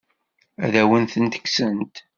Ad awen-ten-kksent?